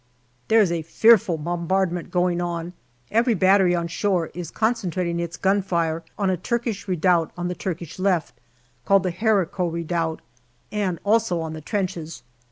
There is a fearful bombardment going on ; every battery on shore is concentrating its gunfire on a Turkish redoubt on the Turkish left, called the Haricot Redoubt, and also on the trenches.